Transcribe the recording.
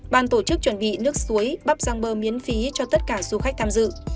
bàn tổ chức chuẩn bị nước suối bắp giang bơ miễn phí cho tất cả du khách tham dự